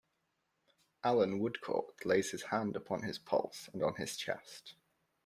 Allan Woodcourt lays his hand upon his pulse and on his chest.